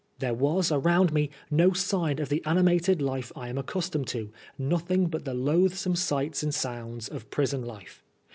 There was around me no sign of the animated life I am accustomed to, nothing but the loathsome sights and sounds of prison life.